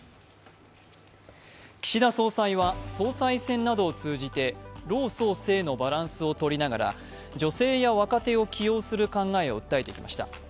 岸田総裁は総裁選などを通じて老壮青のバランスをとりながら女性や若手を起用する考えを訴えてきました。